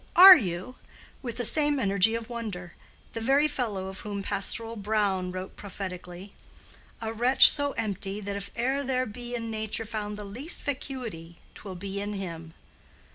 are you?" with the same energy of wonder: the very fellow of whom pastoral Browne wrote prophetically, "A wretch so empty that if e'er there be In nature found the least vacuity 'Twill be in him."